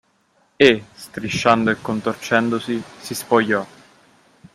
E, strisciando e contorcendosi, si spogliò